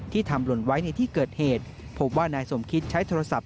ทำหล่นไว้ในที่เกิดเหตุพบว่านายสมคิดใช้โทรศัพ